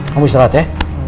kamu istirahat ya